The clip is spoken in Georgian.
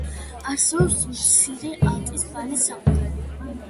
არსებობს მცირე, ალტის, ბანის საყვირები.